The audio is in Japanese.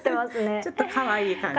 ちょっとかわいい感じですかね。